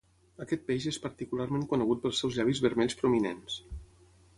Aquest peix és particularment conegut pels seus llavis vermells prominents.